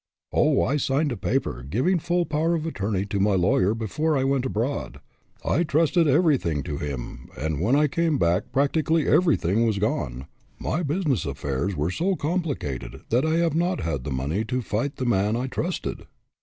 " Oh, I signed a paper, giving full power of attorney to my lawyer before I went abroad, I trusted everything to him, and when I came back practically everything was gone. My business affairs were so complicated that I have not had the money to fight the man I trusted."